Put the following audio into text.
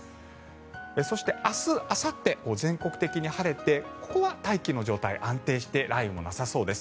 そして明日、あさって全国的に晴れてここは大気の状態、安定して雷雨もなさそうです。